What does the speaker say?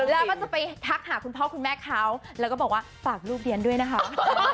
แล้วก็จะไปทักหาคุณพ่อคุณแม่เขาแล้วก็บอกว่าฝากลูกเรียนด้วยนะคะ